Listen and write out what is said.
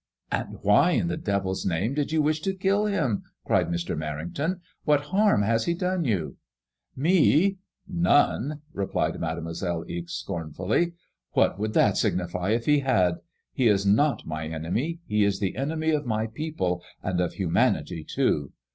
And why in the devil's name did you wish to kill him 7 " cried Mr, Merrington. " What harm has he done you ?*'Me ? None," cried Made moiselle Ixe, scornfully. " What would that signify if he had ? He is not my enemy ; he is the enemy of my people, and of humanity, too.